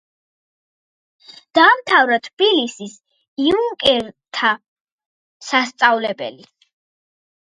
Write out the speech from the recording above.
დაამთავრა თბილისის იუნკერთა სასწავლებელი.